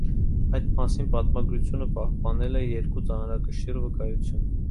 Այդ մասին պատմագրությունը պահպանել է երկու ծանրակշիռ վկայություն։